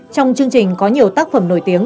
trong chương trình có nhiều tác phẩm nổi tiếng